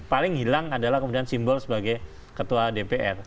paling hilang adalah kemudian simbol sebagai ketua dpr